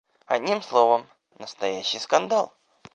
Одним словом, настоящий скандал.